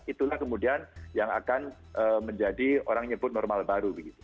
itulah kemudian yang akan menjadi orang nyebut normal baru begitu